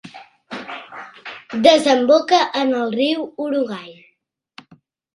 Desemboca en el riu Uruguai.